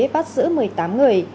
bắt giữ một mươi tám người